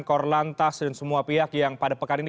kor lantas dan semua pihak yang pada pekan ini